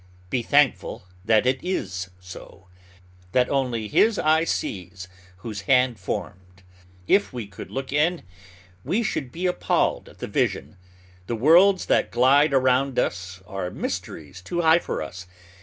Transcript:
Be thankful that it is so, that only His eye sees whose hand formed. If we could look in, we should be appalled at the vision. The worlds that glide around us are mysteries too high for us.